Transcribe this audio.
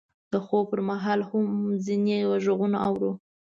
د خوب پر مهال هم ځینې غږونه اورو.